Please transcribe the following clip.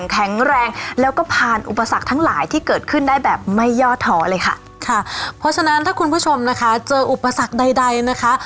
เพราะฉะนั้นถ้าคุณผู้ชมนะคะเจออุปสรรคใดใดนะคะ